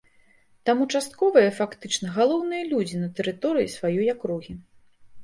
Там участковыя фактычна галоўныя людзі на тэрыторыі сваёй акругі.